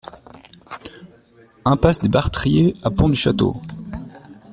Impasse des Bartriers à Pont-du-Château